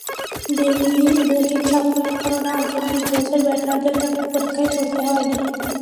Bowling সাফল্যের কারণে আগের তিন ম্যাচে ব্যাটারদের তেমন পরীক্ষায় পড়তে হয়নি।